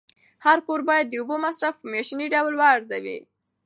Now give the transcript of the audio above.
هر کور باید د اوبو مصرف په میاشتني ډول وارزوي.